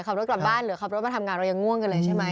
ขับรถกลับบ้านหรือขับรถมาทำงานเรายังง่วงกันเลยใช่ไหม